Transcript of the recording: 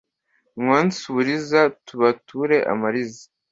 mwonse uburiza tubature amariza